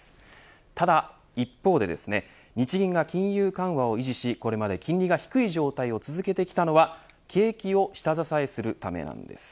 ただ、一方で日銀が金融緩和を維持しこれまで金利が低い状態を続けてきたのは景気を下支えするためなんです。